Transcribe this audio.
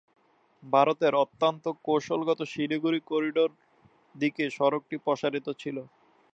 ভারতের অত্যন্ত কৌশলগত শিলিগুড়ি করিডোর দিকে সড়কটি প্রসারিত ছিল।